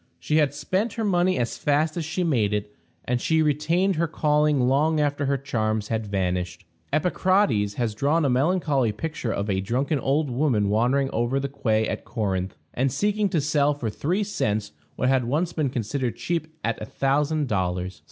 She had spent her money as fast as she made it, and she retained her calling long after her charms had vanished. Epicrates has drawn a melancholy picture of a drunken old woman wandering over the quay at Corinth, and seeking to sell for three cents what had once been considered cheap at a thousand dollars.